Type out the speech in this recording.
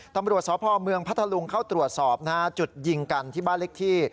ตำรวจสพเมืองพัทธลุงเข้าตรวจสอบนะฮะจุดยิงกันที่บ้านเล็กที่